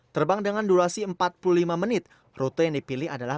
terbang dengan durasi empat puluh lima menit rute yang dipilih adalah